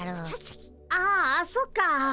ああそっか。